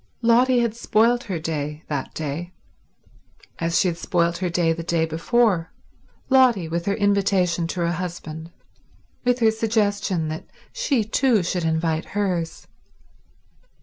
Lotty had spoilt her day that day, as she had spoilt her day the day before—Lotty, with her invitation to her husband, with her suggestion that she too should invite hers.